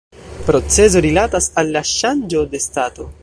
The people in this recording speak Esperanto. Procezo rilatas al la ŝanĝo de stato.